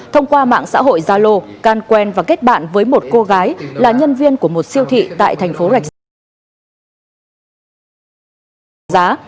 thông qua mạng xã hội gia lô can quen và kết bạn với một cô gái là nhân viên của một siêu thị tại thành phố rạch sĩ